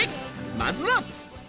まずは。